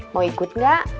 mau ikut gak